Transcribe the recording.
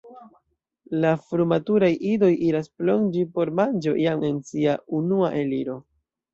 La frumaturaj idoj iras plonĝi por manĝo jam en sia unua eliro.